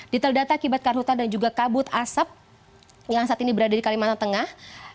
detail data akibat karhutan dan juga kabut asap yang saat ini berada di kalimantan tengah